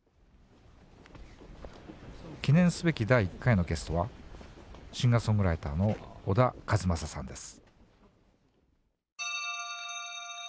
記念すべき第１回のゲストはシンガーソングライターの小田和正さんです